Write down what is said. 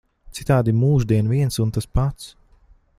Citādi mūždien viens un tas pats.